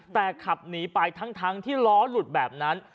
แต่ขับหนีไปทั้งที่ล้อหลุดแบบนั้น